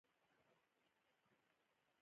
پارلمان ته نه دي وړاندې شوي.